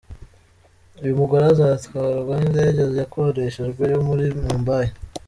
Uyu mugore azatwarwa n'indege yakodeshejwe yo muri Mumbai.